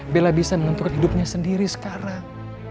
bella bisa menentukan hidupnya sendiri sekarang